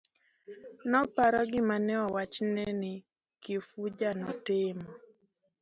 Noparo gima ne owachne ni Kifuja notimo.